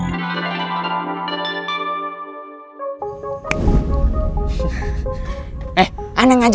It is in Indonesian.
eh aneh ngajak gue ke rumah ya